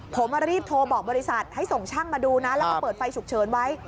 ผมรีบโทรบอกบริษัทให้ส่งช่างมาดูนะแล้วก็เปิดไฟฉุกเฉินไว้